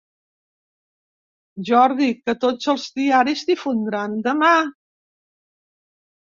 Jordi que tots els diaris difondran demà.